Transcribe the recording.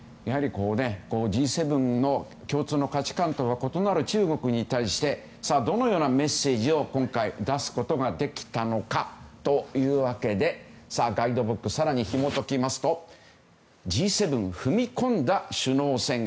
Ｇ７の共通の価値観と異なる中国に対してどのようなメッセージを今回、出すことができたのかというわけでガイドブックを更にひも解くとＧ７、踏み込んだ首脳宣言。